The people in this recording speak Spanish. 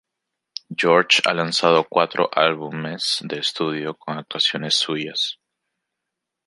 George ha lanzado cuatro álbumes de estudio con actuaciones suyas.